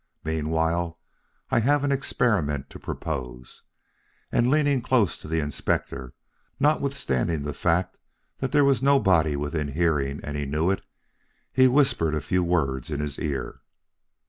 Meanwhile I have an experiment to propose." And leaning close to the Inspector, notwithstanding the fact that there was nobody within hearing and he knew it, he whispered a few words in his ear.